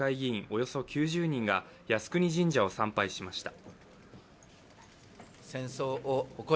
およそ９０人が集団で靖国神社を参拝しました。